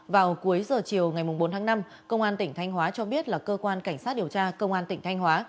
vào cuối giờ chiều ngày bốn tháng năm công an tỉnh thanh hóa cho biết là cơ quan cảnh sát điều tra công an tỉnh thanh hóa